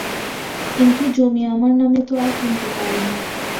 কিন্তু জমি আমার নামে তো আর কিনতে পারি না।